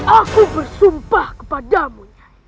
aku bersumpah kepadamu